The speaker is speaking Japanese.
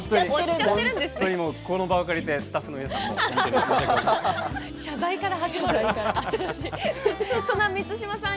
この場を借りてスタッフの皆さんすみません。